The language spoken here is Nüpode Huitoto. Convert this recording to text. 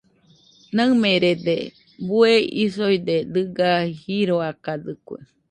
Naɨmerede bueisoide dɨga jiroakadɨkue.